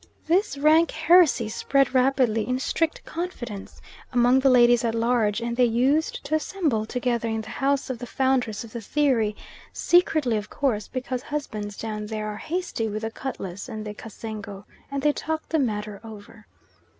This rank heresy spread rapidly, in strict confidence, among the ladies at large, and they used to assemble together in the house of the foundress of the theory, secretly of course, because husbands down there are hasty with the cutlass and the kassengo, and they talked the matter over.